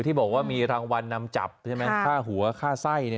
ที่บอกว่ามีรางวัลนำจับใช่ไหมค่าหัวค่าไส้